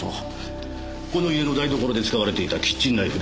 この家の台所で使われていたキッチンナイフです。